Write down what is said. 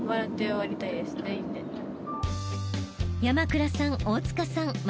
［山藏さん大塚さん